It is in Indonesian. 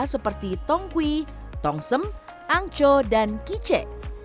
seperti tongkui tongsem angco dan kice